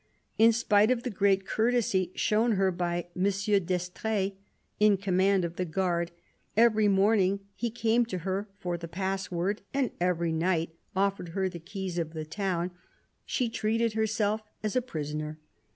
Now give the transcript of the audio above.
In spite of the great courtesy shown her by M. d'Estrees, in command of the guard — every morning he came to her for the pass word, and every night offered her the keys of the town — she treated herself as a prisoner.